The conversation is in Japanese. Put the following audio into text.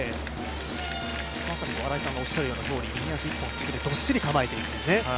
まさに新井さんがおっしゃるとおり、右足１本でどっしり構えていく。